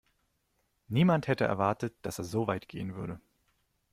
Niemand hätte erwartet, dass er so weit gehen würde.